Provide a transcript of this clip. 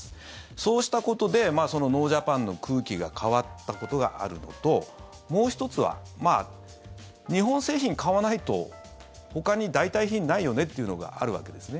そうしたことでノージャパンの空気が変わったことがあるのともう１つは、日本製品買わないとほかに代替品ないよねっていうのがあるわけですね。